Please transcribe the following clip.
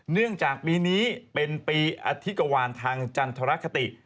เนื่องจากปีนี้เป็นปีอธิกวานทางจันทรคติ